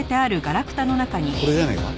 これじゃないか？